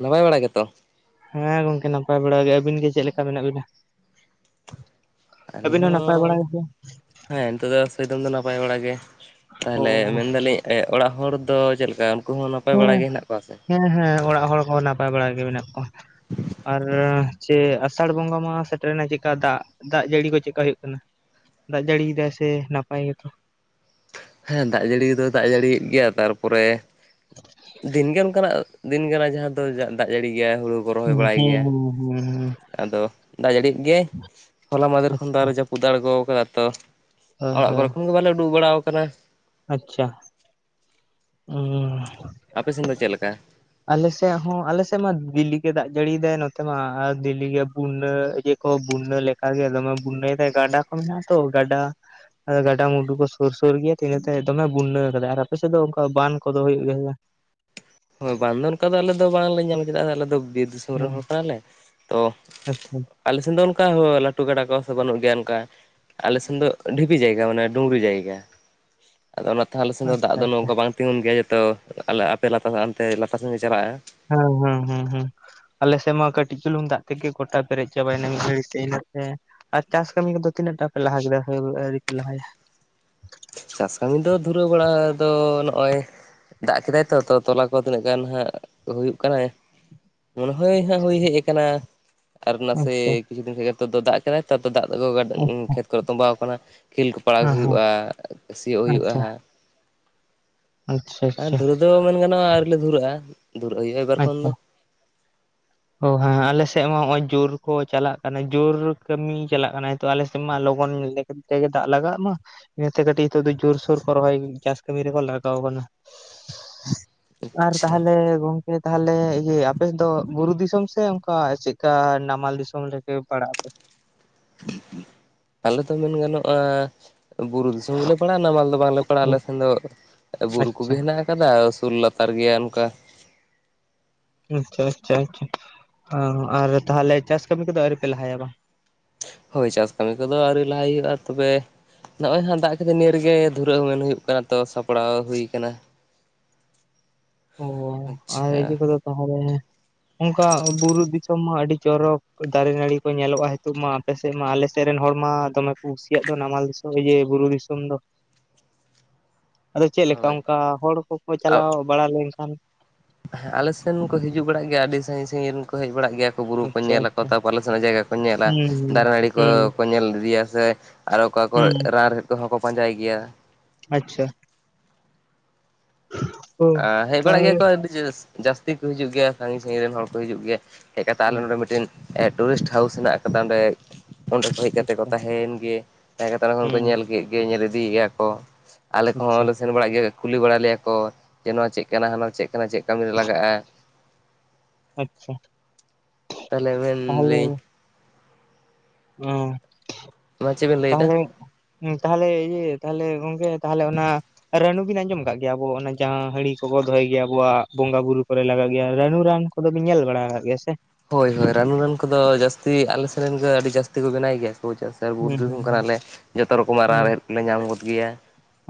ᱱᱟᱯᱟᱭ ᱵᱟᱲᱟ ᱜᱮᱛᱚ? ᱦᱮᱸ ᱜᱚᱝᱠᱮ ᱱᱟᱯᱟᱭ ᱵᱟᱲᱟ ᱜᱮ ᱟᱹᱵᱤᱱ ᱜᱮ ᱪᱮᱫ ᱞᱮᱠᱟ ᱢᱮᱱᱟᱜ ᱵᱤᱱᱟ? ᱟᱹᱞᱤᱧ ᱟᱹᱵᱤᱱ ᱱᱟᱯᱟᱭ ᱦᱚᱸ ᱵᱟᱲᱟ ᱜᱮᱥᱮ ᱦᱮᱸ ᱱᱤᱛᱚᱜᱜ ᱫᱚ ᱥᱮᱫᱚᱢ ᱫᱚ ᱱᱟᱯᱟᱭ ᱵᱟᱲᱟ ᱜᱮ ᱚ ᱛᱟᱦᱚᱞᱮ ᱢᱮᱱᱫᱟᱞᱤᱧ ᱚᱲᱟᱜ ᱦᱚᱲ ᱫᱚ ᱪᱮᱫᱞᱮᱠᱟ ᱩᱱᱠᱩ ᱦᱚᱸ ᱱᱟᱯᱟᱭ ᱵᱟᱲᱟ ᱜᱮ ᱦᱮᱱᱟᱜ ᱠᱚᱣᱟ ᱥᱮ? ᱮᱸ ᱦᱮᱸ ᱚᱲᱟᱜ ᱦᱚᱲ ᱠᱚ ᱱᱟᱯᱟᱭ ᱵᱟᱲᱟ ᱜᱮ ᱢᱮᱱᱟᱜ ᱠᱚᱣᱟᱹ ᱟᱨ ᱪ ᱟᱥᱟᱲ ᱵᱚᱸᱜᱟ ᱢᱟ ᱥᱮᱴᱨᱮᱱᱟ ᱪᱮᱫᱠᱟ ᱫᱟᱜ ᱫᱟᱜ ᱡᱟᱹᱲᱤ ᱠᱚ ᱪᱮᱫᱠᱟ ᱦᱩᱭᱩᱜ ᱠᱟᱱᱟ? ᱫᱟᱜ ᱡᱟᱹᱲᱤᱭᱮᱫᱟᱭ ᱥᱮ ᱱᱟᱯᱟᱭ ᱜᱮᱛᱚ? ᱦᱮᱸ ᱫᱟᱜ ᱡᱟᱹᱲᱤ ᱫᱚᱭ ᱫᱟᱜ ᱡᱟᱹᱲᱤᱭᱮᱫ ᱜᱮᱭᱟ ᱛᱟᱨᱯᱚᱨᱮ ᱫᱤᱱᱜᱮ ᱚᱱᱠᱟᱱᱟᱜ ᱫᱤᱱ ᱠᱟᱱᱟ ᱡᱟᱦᱟᱸ ᱫᱚ ᱫᱟᱜ ᱡᱟᱹᱲᱤ ᱜᱮᱭᱟ ᱦᱩᱲᱩ ᱚᱱ ᱨᱚᱦᱚᱭ ᱦᱳᱭ ᱵᱟᱲᱟᱭ ᱜᱮᱭᱟ ᱟᱫᱚ ᱫᱟᱜ ᱡᱟᱹᱲᱤ ᱜᱮ ᱦᱚᱞᱟ ᱢᱟᱫᱷᱮᱨ ᱠᱷᱚᱱ ᱫᱟᱜ ᱡᱟᱹᱯᱩᱫ ᱠᱩ ᱫ ᱟᱬᱜᱚ ᱠᱟᱫᱟ ᱛᱚ ᱚᱲᱟᱜ ᱠᱚᱨᱮ ᱠᱷᱚᱱ ᱜᱮ ᱵᱟᱞᱮ ᱩᱰᱩᱠ ᱵᱟᱲᱟᱟᱣ ᱟᱠᱟᱱᱟᱹ ᱟᱪᱷᱟ ᱦ ᱟᱯᱮ ᱥᱮᱱ ᱫᱚ ᱪᱮᱫ ᱞᱮᱠᱟᱹ ᱟᱞᱮᱥᱮᱫ ᱦᱚᱸ ᱟᱞᱮᱥᱮᱫ ᱢᱟ ᱫᱮᱞᱤᱜ ᱜᱮ ᱫᱟᱜ ᱡᱟᱹᱲᱤᱭ ᱫᱟᱭ ᱱᱚᱛᱮ ᱢᱟ ᱟᱨ ᱫᱮᱞᱤᱜᱮ ᱵᱩᱱᱰᱟᱹ ᱠᱚ ᱵᱩᱱᱱᱟᱹ ᱞᱮᱠᱟᱜᱮ ᱫᱚᱢᱮ ᱵᱩᱱᱱᱟᱹ ᱛᱟᱭ ᱜᱟᱰᱟ ᱠᱚ ᱢᱮᱱᱟᱜ ᱛᱚ ᱜᱟᱰᱟ ᱟᱫᱚ ᱜᱟᱰᱟᱢᱩᱸᱰᱩ ᱠᱚ ᱥᱩᱨ ᱥᱩᱨ ᱜᱮᱭᱟ ᱤᱱᱟᱹ ᱫᱚᱢᱮ ᱵᱩᱱᱱᱟᱹᱣ ᱟᱠᱟᱫᱟ ᱟᱨ ᱟᱯᱮ ᱥᱮᱫ ᱫᱚ? ᱵᱟᱱ ᱠᱚᱫᱚ ᱦᱩᱭᱩᱜ ᱜᱮᱭᱟ ᱡ ᱦᱳᱭ ᱵᱟᱝ ᱫᱚ ᱚᱱᱠᱟ ᱫᱚ ᱟᱞᱮ ᱫᱚ ᱵᱟᱝᱞᱮ ᱧᱟᱢᱟ ᱪᱮᱫᱟᱜ ᱥᱮ ᱟᱞᱮ ᱫᱚ ᱵᱤᱨ ᱥᱩᱨ ᱨᱮ ᱦᱮᱸ ᱦᱚᱲ ᱠᱟᱱᱟᱞᱮ ᱛᱚ ᱟᱪᱪᱷᱟ ᱟᱞᱮᱥᱮᱱ ᱫᱚ ᱚᱱᱠᱟ ᱞᱟᱹᱴᱩ ᱜᱟᱰᱟ ᱠᱚ ᱥᱮ ᱵᱟᱹᱱᱩᱜ ᱜᱮᱭᱟ ᱚᱱᱠᱟ ᱟᱞᱮᱥᱮᱱ ᱫᱚ ᱰᱷᱤᱯᱤ ᱡᱟᱭᱜᱟ ᱢᱟᱱᱮ ᱰᱩᱝᱨᱤ ᱡᱟᱭᱜᱟ ᱟᱫᱚ ᱛᱟᱦᱞᱮ ᱥᱮ ᱫᱚ ᱫᱟᱜ ᱟᱪᱪᱷᱟ ᱫᱚ ᱟᱪᱪᱷᱟ ᱱᱚᱝᱠᱟ ᱵᱟᱝ ᱛᱤᱸᱜᱩᱱ ᱜᱮᱭᱟᱮ ᱟᱯᱮ ᱟᱟᱱᱛᱮ ᱞᱟᱛᱟ ᱥᱮᱮᱫᱮ ᱪᱟᱞᱟᱜᱼᱟ ᱦᱮᱸ ᱦᱮᱸ ᱦᱮᱸ ᱦᱮᱸ ᱟᱞᱮ ᱥᱮᱫ ᱢᱟ ᱠᱟᱹᱴᱤᱡ ᱪᱩᱞᱩᱝ ᱫᱟᱜ ᱛᱮᱜᱮ ᱜᱚᱴᱟ ᱯᱮᱨᱮᱡ ᱪᱟᱵᱟᱭᱮᱱᱟ ᱢᱤᱫ ᱜᱷᱟᱹᱲᱤᱡ ᱛᱮ ᱤᱱᱟᱜ ᱛᱮ ᱟᱨ ᱪᱟᱥ ᱠᱟᱹᱢᱤ ᱠᱚᱫᱚ ᱛᱤᱱᱟᱹᱜ ᱴᱟ ᱯᱮ ᱞᱟᱦᱟ ᱠᱮᱫᱟ ᱟᱹᱣᱨᱤ ᱯᱮ ᱞᱟᱦᱟᱭᱟ? ᱪᱟᱥ ᱠᱟᱹᱢᱤ ᱫᱚ ᱫᱷᱩᱨᱟᱹᱣ ᱵᱟᱲᱟ ᱫᱚ ᱱᱚᱜ ᱚᱚᱭ ᱫᱟᱜ ᱠᱮᱫᱟᱭ ᱛᱚ ᱛᱚᱞᱟ ᱜᱟ ᱛᱤᱱᱟᱹᱜ ᱜᱟᱱ ᱦᱟᱸ ᱦᱩᱭᱳᱜ ᱠᱟᱱᱟ ᱢᱚᱱᱮ ᱦᱳᱭ ᱦ ᱦᱳᱭ ᱦᱮᱡ ᱟᱠᱟᱱᱟ ᱟᱨ ᱱᱟᱥᱮ ᱟᱪᱪᱷᱟ ᱠᱤᱪᱷᱩ ᱫᱤᱱ ᱠᱷ ᱫᱚ ᱫᱟᱜ ᱠᱟᱱᱟᱭ ᱛ ᱫᱟᱜ ᱰᱟ ᱦᱮᱸ ᱠᱷᱮᱛ ᱠᱚᱨᱮ ᱛᱚᱸᱵᱟᱣ ᱟᱠᱟᱱᱟ ᱠᱷᱮᱞ ᱠᱚ ᱯᱟᱲᱟᱣ ᱦᱮᱸ ᱦᱩᱭᱩᱜᱼᱟ ᱥᱤᱭᱚᱜ ᱦᱩᱭᱩᱜᱼᱟ ᱟᱪᱪᱷᱟ ᱟᱪᱪᱷᱟ ᱟᱪᱪᱷᱟ ᱟᱫᱚ ᱢᱮᱱ ᱜᱟᱱᱚᱜᱼᱟ ᱟᱨᱞ ᱞᱮ ᱫᱷᱩᱨᱟᱹᱜᱼᱟ ᱫᱷᱩᱨᱟᱹᱜ ᱦᱩᱭᱩᱜᱼᱟ ᱮᱵᱟᱨ ᱠᱷᱚᱱ ᱟᱪᱪᱷᱟ ᱫᱚ ᱚ ᱦᱮᱸ ᱟᱞᱮᱥᱮᱫ ᱢᱟ ᱱᱚᱜ ᱚᱚᱭ ᱡᱳᱨ ᱠᱚ ᱪᱟᱞᱟᱜ ᱠᱟᱱᱟ ᱡᱳᱨ ᱠᱟᱹᱢᱤ ᱪᱟᱞᱟᱜ ᱠᱟᱱᱟᱤᱛᱚ ᱟᱞᱮᱥᱮᱫ ᱢᱟ ᱞᱚᱜᱚᱱ ᱛᱮᱜᱮ ᱫᱟᱜ ᱞᱟᱜᱟᱜ ᱢᱟ ᱤᱱᱟᱹᱛᱮ ᱠᱟᱹᱴᱤᱡ ᱱᱤᱛᱚᱜ ᱫᱚ ᱡᱳᱨᱥᱳᱨ ᱠᱚ ᱨᱚᱦᱚᱭ ᱪᱟᱥ ᱠᱟᱹᱢᱤ ᱨᱮᱠᱚ ᱞᱟᱜᱟᱣ ᱠᱟᱱᱟᱹ ᱟᱨ ᱟᱪᱪᱷᱟ ᱛᱟᱦᱞᱮ ᱜᱚᱝᱠᱮ ᱛᱟᱦᱞᱮ ᱟᱯᱮᱥᱮᱫ ᱫᱚ ᱵᱩᱨᱩ ᱫᱤᱥᱚᱢ? ᱫᱤᱥᱚᱢ ᱥᱮ ᱚᱱᱠᱟ ᱪᱮᱫᱠᱟ ᱱᱟᱢᱟᱞ ᱫᱤᱥᱚᱢ ᱨᱮᱜᱮ ᱯᱟᱲᱟᱜ ᱟᱯᱮ ᱟᱞᱮ ᱫᱚ ᱢᱮᱱ ᱜᱟᱱᱚᱜᱼᱟ ᱵᱩᱨᱩ ᱛᱩᱩ ᱜᱮᱞᱮ ᱯᱟᱲᱟᱜᱼᱟ ᱱᱟ ᱢᱟᱞ ᱫᱚ ᱵᱟᱝᱞᱮ ᱯᱟᱲᱟᱜ ᱦᱩᱸ ᱟᱞᱮᱥᱮᱱ ᱫᱚ ᱵᱩᱨᱩ ᱟᱪᱪᱷᱟ ᱠᱚᱜᱮ ᱦᱮᱱᱟᱜ ᱟᱠᱟᱼᱟ ᱟᱠᱟ ᱩᱥᱩᱞ ᱞᱟᱛᱟᱨ ᱜᱮᱭᱟ ᱚᱱᱠᱟ ᱟᱪᱷᱟ ᱟᱪᱷᱟ ᱟᱪᱷᱟ ᱟᱨ ᱛᱟᱦᱚᱞᱮ ᱪᱟᱥ ᱠᱟᱹᱢᱤ ᱠᱚᱫᱚ ᱟᱹᱣᱨᱤᱯᱮ ᱞᱟᱦᱟᱭᱟ ᱵᱟᱝ? ᱦᱳᱭ ᱪᱟᱥ ᱠᱟᱹᱢᱤ ᱠᱚᱫᱚ ᱟᱹᱣᱨᱤ ᱞᱟᱦᱟᱭ ᱦᱩᱭᱩᱜᱼᱟ ᱛᱚᱵᱮ ᱱᱚᱜᱼᱚᱭ ᱦᱟᱸᱜ ᱫᱟᱜ ᱠᱟᱛᱮ ᱱᱤᱭᱟᱹ ᱨᱮᱜᱮ ᱫᱷᱩᱨᱟᱹᱣ ᱢᱮᱱ ᱦᱩᱭᱩᱜ ᱠᱟᱱᱟ ᱛᱚ ᱥᱟᱯᱲᱟᱣ ᱦᱩᱭ ᱟᱠᱟᱱᱟ᱾ ᱚᱻᱚ ᱟᱨ ᱤᱡᱟᱹ ᱟᱪᱪᱷᱟ ᱠᱚᱫᱚ ᱛᱟᱦᱚᱞᱮ ᱚᱱᱠᱟ ᱵᱩᱨᱩ ᱫᱤᱥᱚᱢ ᱢᱟ ᱟᱹᱰᱤ ᱪᱚᱨᱚᱠ ᱫᱟᱨᱮ ᱱᱟᱹᱲᱤ ᱠᱚ ᱧᱮᱞᱚᱜᱼᱟ ᱱᱤᱛᱚᱜ ᱢᱟ᱾ ᱟᱞᱮ ᱥᱮᱫ ᱢᱟ ᱟᱞᱮ ᱥᱮᱫ ᱨᱮᱱ ᱦᱚᱲ ᱢᱟ ᱫᱚᱢᱮ ᱠᱚ ᱠᱩᱥᱤᱭᱟᱜ ᱫᱚ ᱱᱟᱢᱟᱞ ᱫᱤᱥᱚᱢ ᱡᱮ ᱵᱩᱨᱩ ᱫᱤᱥᱚᱢ ᱫᱚ ᱟᱫᱚ ᱪᱮᱫᱞᱮᱠᱟ ᱦᱳᱭ ᱚᱱᱠᱟ ᱦᱚᱲ ᱠᱚᱠᱚ ᱪᱟᱞᱟᱣ ᱵᱟᱲᱟ ᱞᱮᱱᱠᱷᱟᱱ ᱦᱮᱸ ᱟᱞᱮ ᱥᱮᱱ ᱠᱚ ᱦᱤᱡᱩᱜ ᱵᱟᱲᱟᱜ ᱜᱮᱭᱟ ᱟᱹᱰᱤ ᱥᱟᱺᱜᱤᱧ ᱥᱟᱺᱜᱤᱧ ᱨᱮᱱ ᱠᱚ ᱦᱮᱡ ᱵᱟᱲᱟ ᱜᱮᱭᱟ, ᱵᱩᱨᱩ ᱠᱚ ᱟᱪᱪᱷᱟ ᱧᱮᱞ ᱟᱠᱚ ᱟᱪᱪᱷᱟ ᱛᱟᱨᱯᱚᱨ ᱟᱞᱮ ᱥᱮᱱᱟᱜ ᱡᱟᱭᱜᱟ ᱠᱚ᱾ ᱠᱚ ᱧᱮᱞᱟ ᱦᱩᱸ ᱫᱟᱨᱮ ᱱᱟᱹᱲᱤ ᱦᱩᱸ ᱠᱚᱠᱚ ᱧᱮᱞ ᱤᱫᱤᱭᱟ ᱥᱮ ᱟᱨᱚ ᱚᱠᱟ ᱠᱚ ᱦᱩᱸ ᱨᱟᱱ ᱠᱚ ᱦᱚᱸᱚᱸ ᱠᱚ ᱯᱟᱸᱡᱟᱭ ᱜᱮᱭᱟ ᱟᱪᱷᱟ [inaudible] ᱦᱮᱡ ᱵᱟᱲᱟᱜ ᱛᱟᱦᱚᱞᱮ ᱜᱮᱭᱟ ᱠᱚ ᱟᱹᱰᱤ ᱡᱟᱹᱥᱛᱤ ᱠᱚ ᱦᱤᱡᱩᱜ ᱜᱮᱭᱟ ᱥᱟᱺᱜᱤᱧ ᱥᱟᱺᱜᱤᱧ ᱨᱮᱱ ᱦᱚᱲ ᱠᱚ ᱦᱤᱡᱩᱜ ᱜᱮᱭᱟ ᱦᱮᱡ ᱠᱟᱛᱮ ᱟᱞᱮ ᱱᱚᱰᱮ ᱢᱤᱫᱴᱮᱱ ᱴᱩᱨᱤᱥᱴ ᱦᱟᱣᱩᱥ ᱦᱮᱱᱟᱜ ᱟᱠᱟᱫᱟ ᱚᱸᱰᱮ ᱚᱸᱰᱮ ᱠᱚ ᱦᱮᱡ ᱠᱟᱛᱮᱫ ᱠᱚ ᱟᱪᱪᱷᱟ ᱛᱟᱦᱮᱸᱭᱮᱱ ᱜᱮ, ᱛᱟᱦᱮᱸ ᱠᱟᱛᱮᱫ ᱚᱸᱰᱮ ᱠᱷᱚᱱ ᱠᱚ ᱦᱩᱸ ᱧᱮᱞ ᱠᱮᱫ ᱜᱮ, ᱧᱮᱞ ᱤᱫᱤᱭᱮᱜᱼᱟ ᱠᱚ ᱟᱞᱮ ᱟᱪᱪᱷᱟ ᱠᱚᱦᱚᱸ ᱞᱮ ᱥᱮᱱ ᱵᱟᱲᱟᱜ ᱜᱮᱭᱟ ᱠᱩᱞᱤ ᱵᱟᱲᱟ ᱞᱮᱭᱟ ᱠᱚ ᱡᱮ ᱱᱚᱣᱟ ᱪᱮᱫ ᱠᱟᱱᱟ ᱦᱟᱱᱟ ᱪᱮᱫ ᱠᱟᱱᱟ ᱪᱮᱫ ᱠᱟᱹᱢᱤᱨᱮ ᱞᱟᱜᱟᱜᱼᱟ ᱟᱪᱪᱷᱟ ᱛᱟᱦᱚᱞᱮ ᱵᱮᱱ ᱛᱟᱦᱚᱞᱮ ᱞᱟᱹᱭᱤᱧ ᱢᱟ ᱪᱮᱫ ᱵᱮᱱ ᱞᱟᱹᱭᱮᱫᱟ [unintelligible] ᱛᱟᱦᱚᱞᱮ ᱤᱭᱟᱹ ᱛᱟᱦᱚᱞᱮ ᱜᱚᱢᱠᱮ ᱛᱟᱦᱚᱞᱮ ᱚᱱᱟ ᱨᱟᱱᱩ ᱵᱤᱱ ᱟᱸᱡᱚᱢ ᱟᱠᱟᱫ ᱜᱮᱭᱟ ᱟᱵᱚ ᱚᱱᱟ ᱡᱟᱦᱟᱸ ᱦᱟᱺᱲᱤ ᱠᱚᱵᱚ ᱫᱚᱦᱚᱭ ᱜᱮᱭᱟ ᱟᱵᱚᱣᱟᱜ ᱵᱚᱸᱜᱟ ᱵᱩᱨᱩ ᱠᱚᱨᱮ ᱞᱟᱜᱟᱜ ᱜᱮᱭᱟ ᱨᱟᱱᱩ ᱨᱟᱱ ᱟᱫᱚ ᱵᱤᱱ ᱧᱮᱞ ᱵᱟᱲᱟ ᱟᱠᱟᱫ ᱜᱮᱭᱟ ᱥᱮ? ᱦᱳᱭ ᱦᱳᱭ ᱨᱟᱱᱩ ᱨᱟᱱ ᱠᱚᱫᱚ ᱡᱟᱹᱥᱛᱤ ᱟᱞᱮ ᱥᱮᱱ ᱨᱮᱱ ᱜᱮ ᱟᱹᱰᱤ ᱡᱟᱹᱥᱛᱤ ᱠᱚ ᱵᱮᱱᱟᱭ ᱜᱮᱭᱟ [unintelligible] ᱵᱩᱨᱩ ᱦᱩᱸ ᱦᱩᱸ ᱫᱤᱥᱚᱢ ᱦᱩᱸ ᱠᱟᱱᱟᱞᱮ ᱡᱚᱛᱚ ᱨᱚᱠᱚᱢᱟᱜ ᱨᱟᱱ ᱦᱩᱸ, ᱨᱮᱦᱮᱫ ᱞᱮ ᱧᱟᱢ ᱜᱚᱫ ᱜᱮᱭᱟ᱾